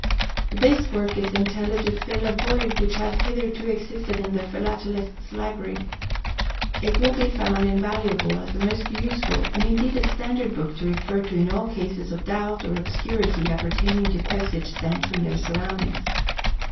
This Work is intended to fill a void which has hitherto existed in the Philatelist's Library. It will be found invaluable as a most useful and indeed a standard book to refer to in all cases of doubt or obscurity appertaining to Postage Stamps and their surroundings.